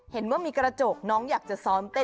เห็นว่ามีกระจกน้องอยากจะซ้อมเต้น